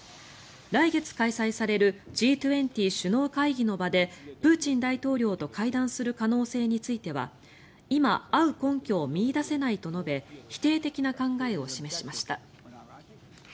来月開催されるＧ２０首脳会議の場でプーチン大統領と会談する可能性については今、会う根拠を見いだせないと述べ否定的な考えを示しました。